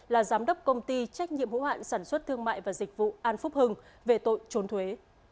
là giám đốc công ty trách nhiệm hữu hạn sản xuất thương mại và dịch vụ an phúc hưng về tội trốn thuế